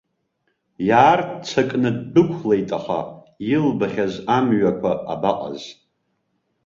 Иаарццакны ддәықәлеит, аха илбахьаз амҩақәа абаҟаз.